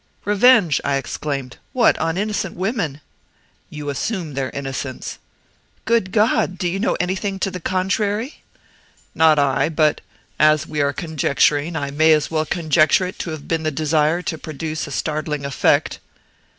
"Revenge!" I exclaimed; "what! on innocent women?" "You assume their innocence." "Good God! do you know anything to the contrary?" "Not I. But as we are conjecturing, I may as well conjecture it to have been the desire to produce a startling effect."